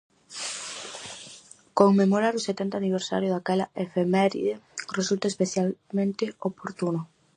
Conmemorar o setenta aniversario daquela efeméride resulta especialmente oportuno.